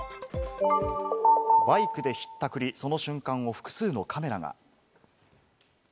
バイクでひったくり、その瞬間を複数のカメラが。